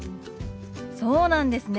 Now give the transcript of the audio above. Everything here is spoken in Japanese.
そうなんですね。